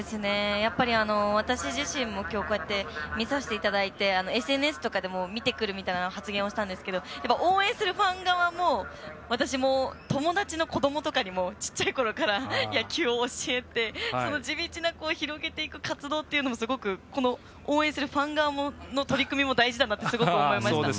やっぱり私自身も見させていただいてＳＮＳとかでも「見てくる」って発言をしたんですが応援するファン側も私も、友達の子どもとかにもちっちゃいころから野球を教えてその地道な広げていく活動っていうのも応援するファン方の取り組みも大事だなってすごく思いました。